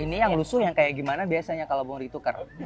ini yang lusuh yang kayak gimana biasanya kalau boleh ditukar